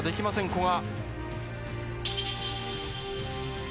古賀。